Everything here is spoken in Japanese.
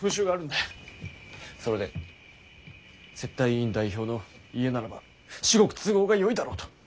それで接待委員代表の家ならば至極都合がよいだろうと。